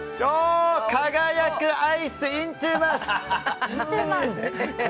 輝くアイス、イントゥーマウス！